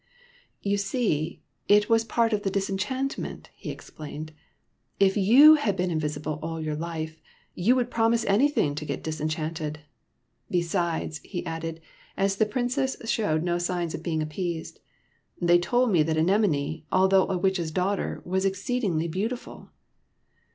" You see, it was part of the disenchant ment," he explained. '' li you had to be invis ible all your life, you would promise anything to get disenchanted. Besides," he added, as the Princess showed no signs of being appeased, "they told me that Anemone, although a witch's daughter, was exceedingly beautiful."